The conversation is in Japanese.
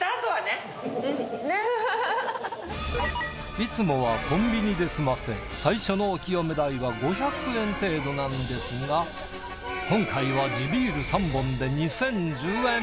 いつもはコンビニで済ませ最初のお清め代は５００円程度なんですが今回は地ビール３本で２，０１０円。